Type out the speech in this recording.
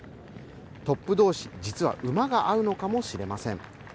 トップ同士、実は馬が合うのかもしれません。